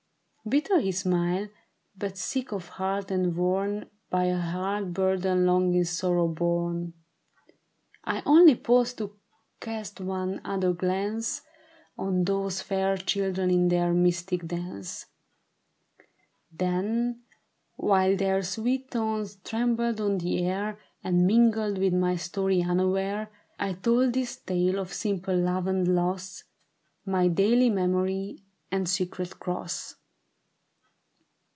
Bitter his smile, but sick of heart and worn By a hard burden long in sorrow borne, I only paused to cast one other glance On those fair children in their mystic dance ; Then while their sweet tones trembled on the air And mingled with my ston^ unaware, I told this tale of simple love and loss — ^ly daily memory and secret cross.